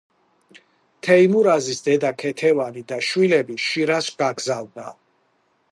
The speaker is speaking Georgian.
თეიმურაზის დედა ქეთევანი და შვილები შირაზს გაგზავნა.